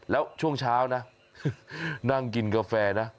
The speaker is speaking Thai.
แล้วช่วงเช้านะนั่งกินกาแฟนะ